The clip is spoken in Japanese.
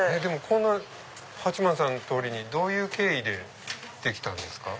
こんな八幡様の通りにどういう経緯でできたんですか？